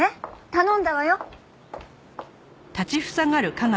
頼んだわよ。